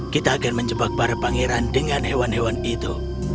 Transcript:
kita akan menjebak para pangeran dengan hewan hewan itu